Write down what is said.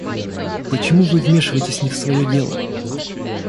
Почему вы вмешиваетесь не в своё дело?